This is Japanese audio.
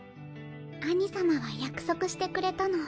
兄さまは約束してくれたの。